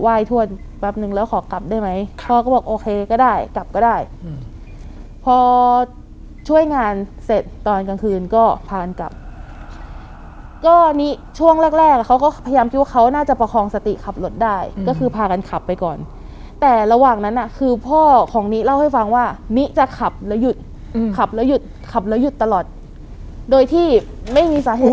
ไหว้ถ้วนแป๊บนึงแล้วขอกลับได้ไหมพ่อก็บอกโอเคก็ได้กลับก็ได้พอช่วยงานเสร็จตอนกลางคืนก็พานกลับก็นี่ช่วงแรกแรกเขาก็พยายามคิดว่าเขาน่าจะประคองสติขับรถได้ก็คือพากันขับไปก่อนแต่ระหว่างนั้นน่ะคือพ่อของนิเล่าให้ฟังว่ามิจะขับแล้วหยุดขับแล้วหยุดขับแล้วหยุดตลอดโดยที่ไม่มีสาเหตุ